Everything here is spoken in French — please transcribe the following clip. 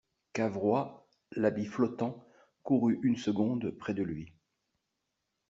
Cavrois, l'habit flottant, courut, une seconde, près de lui.